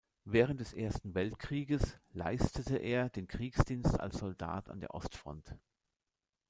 Während des Ersten Weltkrieges leistete er den Kriegsdienst als Soldat an der Ostfront.